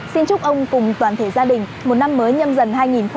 xin chúc ông cùng toàn thể gia đình một năm mới nhâm dần hai nghìn hai mươi